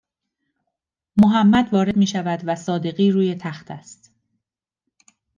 محمد وارد میشود و صادقی روی تخت است